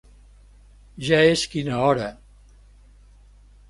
Ja és quina hora.